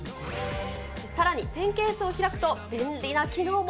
さらにペンケースを開くと、便利な機能も。